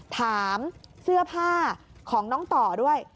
ถามเสื้อผ้าของน้องต่อด้วย